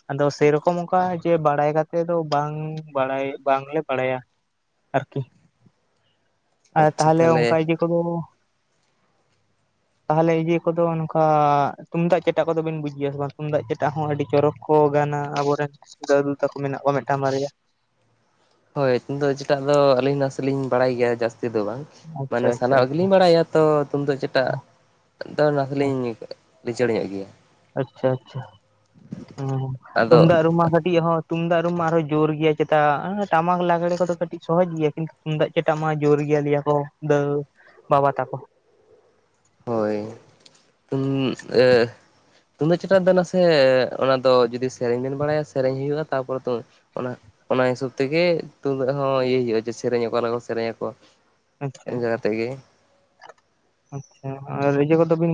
ᱟᱫᱚ ᱥᱮᱭᱨᱚᱠᱚᱢ ᱚᱱᱠᱟ ᱡᱮ ᱵᱟᱲᱟᱭ ᱠᱟᱛᱮᱫ ᱫᱚ ᱵᱟᱝ ᱵᱟᱲᱟᱭ ᱵᱟᱝᱞᱮ ᱵᱟᱲᱟᱭᱟ ᱟᱨᱠᱤ ᱟᱨ ᱛᱟᱦᱚᱞᱮ ᱚᱱᱠᱟ ᱤᱭᱟᱹ ᱠᱚᱫᱚ ᱛᱟᱦᱚᱞᱮ ᱤᱭᱟᱹ ᱠᱚᱫᱚ ᱱᱚᱝᱠᱟ ᱛᱩᱢᱫᱟᱜ ᱪᱮᱴᱴᱟᱜ ᱠᱚᱫᱚ ᱵᱤᱱ ᱵᱩᱡᱮᱭᱟ ᱥᱮ ᱵᱟᱝ, ᱛᱩᱢᱫᱟᱜ ᱪᱴᱟᱜ ᱦᱚᱸ ᱟᱹᱰᱤ ᱪᱚᱨᱚᱠ ᱠᱚ ᱜᱟᱱᱟ ᱟᱵᱚᱨᱮᱱ ᱥᱩᱫᱟᱹᱩᱫᱩ ᱛᱟᱠᱚ ᱢᱮᱱᱟᱜ ᱠᱚᱣᱟ ᱢᱤᱫᱴᱟᱝ ᱵᱟᱨᱭᱟ᱾ ᱦᱳᱭ ᱩᱢᱫᱟᱜ ᱪᱮᱴᱟᱜ ᱫᱚ ᱟᱹᱞᱤᱧ ᱱᱟᱥᱮ ᱞᱤᱧ ᱵᱟᱲᱟᱭ ᱜᱮᱭᱟ ᱡᱟᱹᱥᱛᱤ ᱫᱚ ᱵᱟᱝ, ᱟᱪᱪᱷᱟ ᱢᱟᱱᱮ ᱟᱪᱪᱷᱟ ᱥᱟᱱᱟᱢᱟᱜ ᱟᱪᱪᱷᱟ ᱜᱮᱞᱤᱧ ᱵᱟᱲᱟᱭᱟ ᱛᱚ ᱛᱩᱢᱫᱟᱜ ᱪᱮᱴᱟᱜ ᱫᱚ [unintelligible] ᱞᱤᱧ ᱞᱤᱪᱟᱹᱲ ᱧᱚᱜ ᱜᱮᱭᱟ ᱟᱪᱪᱷᱟ ᱟᱪᱪᱷᱟ ᱦᱩᱸ ᱟᱫᱚ ᱛᱩᱢᱫᱟᱜ ᱨᱩᱢᱟ ᱤᱭᱟᱹ ᱦᱚᱸ ᱛᱩᱢᱫᱟᱜ ᱨᱩᱢᱟ ᱟᱨᱚᱸ ᱡᱳᱨ ᱜᱮᱭᱟ ᱪᱮᱛᱟ ᱴᱟᱢᱟᱠ ᱞᱟᱜᱽᱲᱮ ᱠᱚᱫᱚ ᱠᱟᱹᱴᱤᱡ ᱥᱚᱦᱚᱡᱽ ᱜᱮᱭᱟ ᱠᱤᱱᱛᱩ ᱛᱩᱢᱫᱟᱜ ᱪᱮᱴᱟᱜ ᱢᱟ ᱡᱳᱨ ᱜᱮᱭᱟ ᱞᱟᱹᱭᱟ ᱠᱚ ᱫᱟᱹ ᱵᱟᱵᱟ ᱛᱟᱠᱚ ᱦᱳᱭ ᱩᱢ ᱮ ᱛᱩᱢᱫᱟᱜ ᱪᱮᱴᱟ ᱫᱚ ᱱᱟᱥᱮ ᱚᱱᱟ ᱫᱚ ᱡᱩᱫᱤ ᱥᱮᱨᱮᱧ ᱵᱮᱱ ᱵᱟᱲᱟᱭᱟ ᱥᱮᱨᱮᱧ ᱦᱩᱭᱩᱜᱼᱟ ᱛᱟᱯᱚᱨᱮ ᱛᱚ ᱚᱱᱟ ᱚᱱᱟ ᱦᱤᱥᱟᱹᱵᱽ ᱛᱮᱜᱮ ᱛᱩᱢᱫᱟᱜ ᱦᱚᱸ ᱤᱭᱟᱹᱭ ᱦᱩᱭᱩᱜᱼᱟ ᱡᱮ ᱥᱮᱨᱮᱧ ᱚᱠᱟᱞᱮᱠᱟ ᱠᱚ ᱥᱮᱨᱮᱧ ᱟᱠᱚ ᱟᱪᱪᱷᱟ ᱤᱧ ᱫᱟᱫᱟ ᱛᱮᱜ ᱜᱮ ᱟᱪᱪᱷᱟ ᱟᱨ ᱤᱭᱟᱹ ᱠᱚᱫᱚ ᱵᱤᱱ